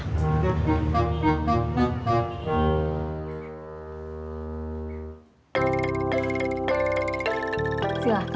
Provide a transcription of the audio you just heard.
sampai jumpa di video selanjutnya